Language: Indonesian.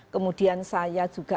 kemudian saya juga